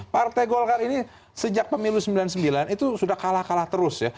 partai golkar ini sejak pemilu sembilan puluh sembilan itu sudah kalah kalah terus ya